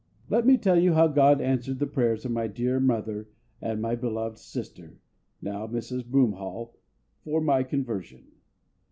Let me tell you how GOD answered the prayers of my dear mother and of my beloved sister, now Mrs. Broomhall, for my conversion.